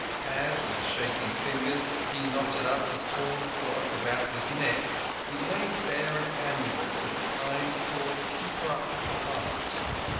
As, with shaking fingers, he knotted up the torn cloth about his neck he laid bare an amulet of the kind called a keeper up of the heart.